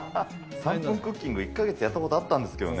３分クッキング、１か月やったことあったんですけどね。